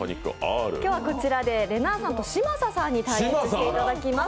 こちらで、れなぁさんと嶋佐さんに対決していただきます。